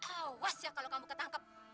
awas ya kalau kamu ketangkep